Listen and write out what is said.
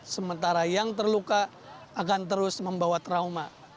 sementara yang terluka akan terus membawa trauma